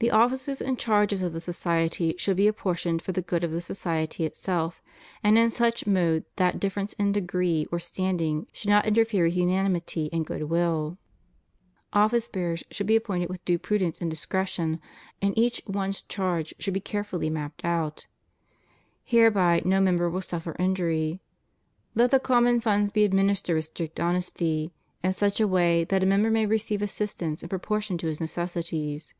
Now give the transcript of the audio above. The offices and charges of the society should be apportioned for the good of the society itself, and in such mode that difference in degree or standing should not interfere with unanimity and good will. Office Matt, xvi. 26. 'Matt. vi. 32, 33. CONDITION OF THE WORKING CLASSES. 245 bearers should be appointed with due prudence and dis cretion, and each one's charge should be carefully mapped out. Hereby no member will suffer injury. Let the com mon funds be administered with strict honesty, in such a way that a member may receive assistance in proportion to his necessities.